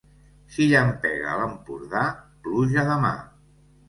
Si llampega a l'Empordà, pluja demà.